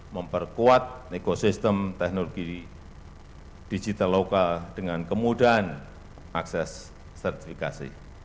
memperkuat ekosistem teknologi digital lokal dengan kemudahan akses sertifikasi